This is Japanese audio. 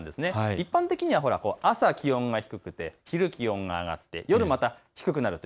一般的には朝、気温が低くて昼、気温が上がって、夜また低くなる。